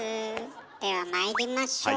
ではまいりましょう。